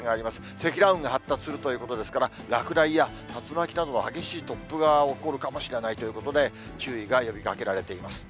積乱雲が発達するということですから、落雷や竜巻などの激しい突風が起こるかもしれないということで、注意が呼びかけられています。